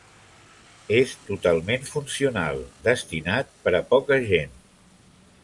És totalment funcional, destinat per a poca gent.